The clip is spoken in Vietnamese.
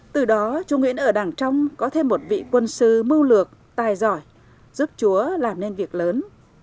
từ đó chú nguyễn ở đảng trong có thêm một vị quân sư mưu lược tài giỏi giúp chúa làm nên việc lớn